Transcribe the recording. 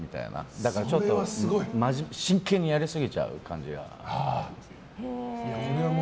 だから、ちょっと真剣にやりすぎちゃう感じはあります。